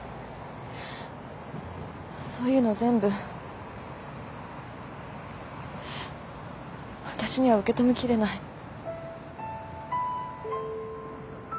そういうの全部わたしには受け止めきれない。